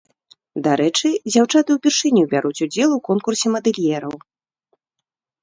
Дарэчы, дзяўчаты ўпершыню бяруць удзел у конкурсе мадэльераў.